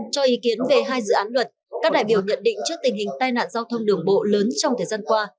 cho ý kiến về hai dự án luật các đại biểu nhận định trước tình hình tai nạn giao thông đường bộ lớn trong thời gian qua